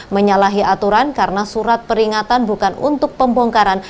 menyalahi aturan karena surat peringatan bukan untuk pembongkaran